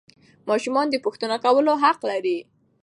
ماشومان د پوښتنو کولو حق لري